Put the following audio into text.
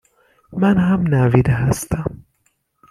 من هم نوید هستم